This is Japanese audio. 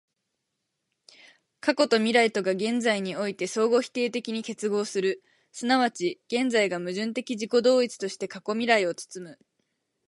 過去と未来とが現在において相互否定的に結合する、即ち現在が矛盾的自己同一として過去未来を包む、